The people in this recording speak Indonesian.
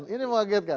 ini mau ngagetkan